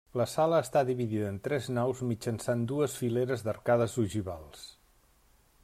La sala està dividida en tres naus mitjançant dues fileres d'arcades ogivals.